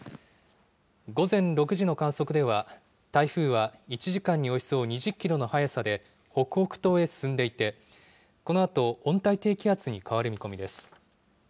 午前６時の観測では、台風は１時間におよそ２０キロの速さで北北東へ進んでいて、このあと温帯低気圧に変わる見込みです。